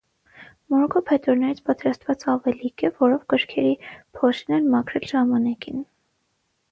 Մորուքը փետուրներից պատրաստած ավելիկ է, որով գրքերի փոշին են մաքրել ժամանակին։